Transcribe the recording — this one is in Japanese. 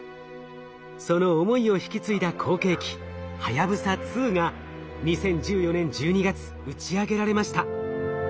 その思いを引き継いだ後継機「はやぶさ２」が２０１４年１２月打ち上げられました。